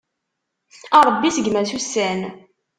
A Ṛebbi seggem-as ussan.